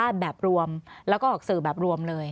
และสื่อแบบรวมเลย